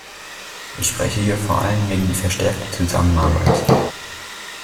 Ich spreche hier vor allem gegen die verstärkte Zusammenarbeit.